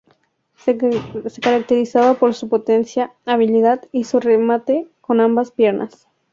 Se caracterizaba por su potencia, habilidad, y su remate con ambas piernas.